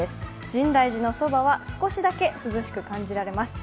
深大寺のそばは少しだけ涼しく感じられます。